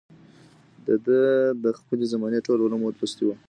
ده د خپلې زمانې ټول علوم لوستي وو